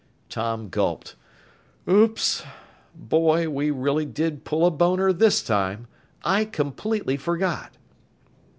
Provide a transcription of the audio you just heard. Tom gulped. "Oops! Boy, we really did pull a boner this time! I completely forgot!"